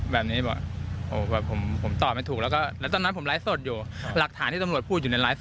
แบบนี้เรียกว่า